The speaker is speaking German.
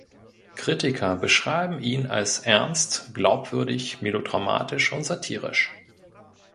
Kritiker beschreiben ihn als ernst, glaubwürdig, melodramatisch und satirisch.